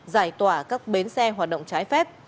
giải tỏa các bến xe hoạt động trái phép